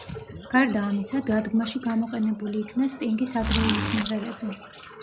გარდა ამისა, დადგმაში გამოყენებული იქნა სტინგის ადრეული სიმღერები.